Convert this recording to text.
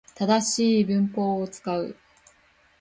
正しい文法を使う